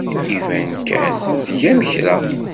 Iban kan tgam kra.